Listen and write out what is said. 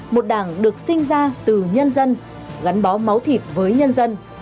một đảng được sinh ra từ nhân dân gắn bó máu thịt với nhân dân